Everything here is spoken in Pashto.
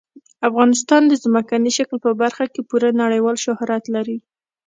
افغانستان د ځمکني شکل په برخه کې پوره نړیوال شهرت لري.